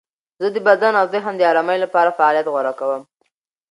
زه د بدن او ذهن د آرامۍ لپاره فعالیت غوره کوم.